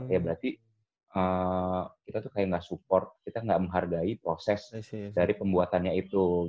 ya berarti kita tuh kayak nggak support kita nggak menghargai proses dari pembuatannya itu